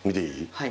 はい